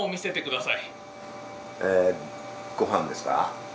ご飯ですか？